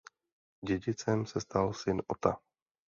Dědicem se stal syn Ota.